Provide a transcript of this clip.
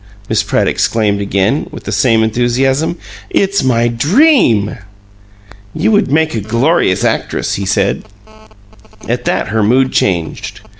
Miss Pratt exclaimed, again, with the same enthusiasm. "It's my DREAM." "You would make a glorious actress!" he said. At that her mood changed.